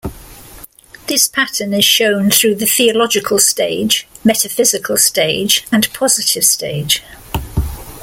This pattern is shown through the theological stage, metaphysical stage, and positive stage.